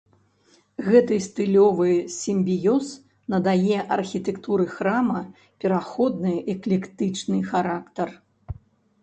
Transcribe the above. Гэты стылёвы сімбіёз надае архітэктуры храма пераходны эклектычны характар.